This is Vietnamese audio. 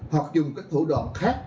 hoặc dùng các thủ đoạn khác